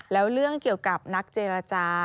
แล้วเรื่องเกี่ยวกับนักเจรจา